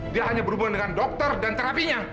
dia hanya berhubungan dengan dokter dan terapinya